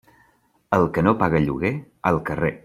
El que no paga lloguer, al carrer.